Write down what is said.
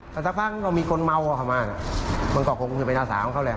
แต่สักครั้งเรามีคนเมาออกมาน่ะมันก็คงคือเป็นอาสาของเขาแหละ